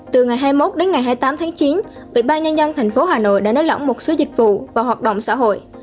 từ ngày hai mươi một đến ngày hai mươi tám tháng chín bộ y bài nhân dân thành phố hà nội đã nới lỏng một số dịch vụ và hoạt động xã hội